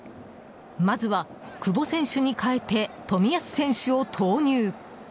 まずは久保選手に代えて冨安選手を投入。